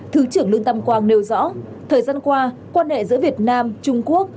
thứ trưởng lương tâm quang nêu rõ thời gian qua quan hệ giữa việt nam trung quốc